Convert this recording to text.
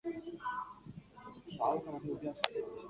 遇到续杯免费